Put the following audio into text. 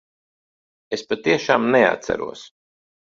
Es patiešām neatceros.